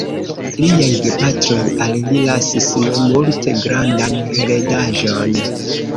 Liaj gepatroj al li lasis ne multe grandan heredaĵon.